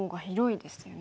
ですよね。